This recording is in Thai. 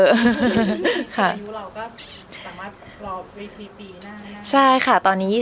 อายุเราก็สามารถรอเวทีปีหน้า